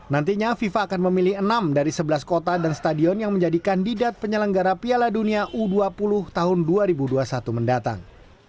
nantinya fifa akan memilih enam dari sebelas kota dan stadion yang menjadi kandidat penyelenggara piala dunia u dua puluh tahun dua ribu dua puluh satu mendatang